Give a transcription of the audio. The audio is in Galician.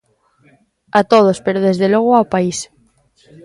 A todos pero desde logo ao País.